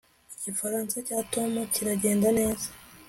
igifaransa cya tom kiragenda neza